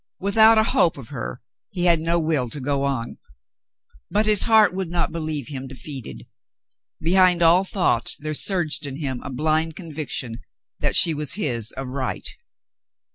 Without a hope of her he had no will to go on. But his heart would not believe him defeated. Behind all thought there surged in him a blind conviction that she was his of right.